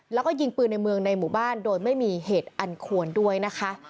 แล้วก็ยิงปืนในเมืองในหมู่บ้านโดยไม่มีเหตุอันควรด้วยนะคะ